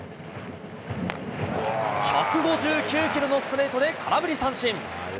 １５９キロのストレートで空振り三振。